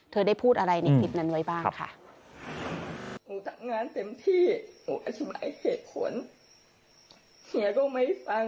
ได้พูดอะไรในคลิปนั้นไว้บ้างค่ะ